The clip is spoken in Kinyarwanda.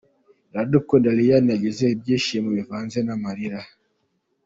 Iradukunda Liliane yagize ibyishimo bivanze n'amarira.